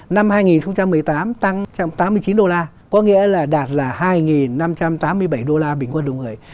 năm hai nghìn một mươi tám tăng tám mươi chín đô la có nghĩa là đạt là hai năm trăm tám mươi bảy đô la bình quân đồng người